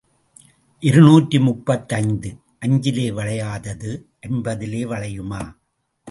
இருநூற்று முப்பத்தைந்து அஞ்சிலே வளையாதது ஐம்பதிலே வளையுமா?